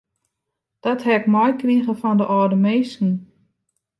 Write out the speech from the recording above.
Dat ha ik meikrige fan de âlde minsken.